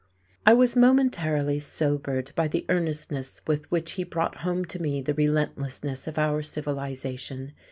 I was momentarily sobered by the earnestness with which he brought home to me the relentlessness of our civilization.